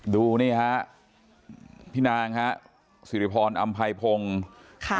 ดูนี่ค่ะพี่นางฮะสิริพรอมอัมไพพงค์